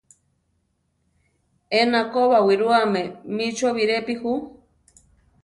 Ena ko bowirúame mí chó birepi ju.